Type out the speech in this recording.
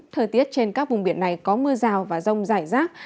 thời tiết trên các vùng biển này có mưa rào và rông rải rác